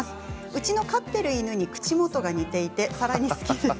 うちの飼っている犬に口元が似ていてさらに好きです。